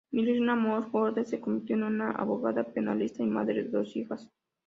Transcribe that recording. Rina Mor-Goder se convirtió en una abogada penalista y madre de dos hijas.